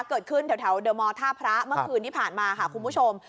เกิดขึ้นแถวเดอร์มอร์ท่าพระเมื่อคืนที่ผ่านมาค่ะคุณผู้ชม